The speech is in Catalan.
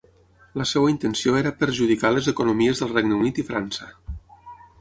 La seva intenció era perjudicar les economies del Regne Unit i França.